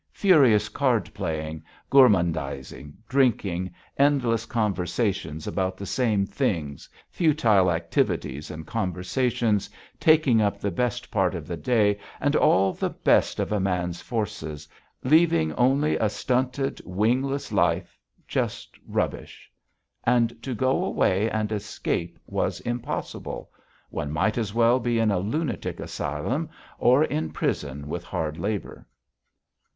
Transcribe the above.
Furious card playing, gourmandising, drinking, endless conversations about the same things, futile activities and conversations taking up the best part of the day and all the best of a man's forces, leaving only a stunted, wingless life, just rubbish; and to go away and escape was impossible one might as well be in a lunatic asylum or in prison with hard labour.